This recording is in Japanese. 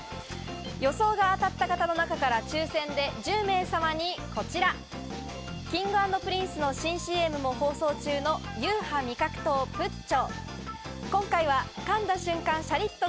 予想が当たった方の中から抽選で１０名様にこちら、Ｋｉｎｇ＆Ｐｒｉｎｃｅの新ＣＭも放送中のＵＨＡ味覚糖「ぷっちょ」。